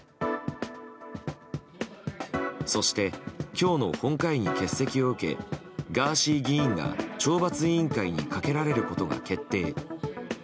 そして、今日の本会議欠席を受けガーシー議員が懲罰委員会にかけられることが決定。